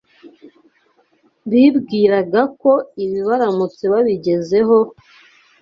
Bibwiraga ko ibi baramutse babigezeho,